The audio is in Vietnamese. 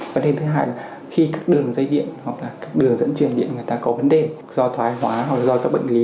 với các dây điện hoặc là các đường dẫn truyền điện người ta có vấn đề do thoái hóa hoặc do các bệnh lý